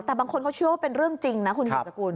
แต่บางคนเขาเชื่อว่าเป็นเรื่องจริงนะคุณสุดสกุล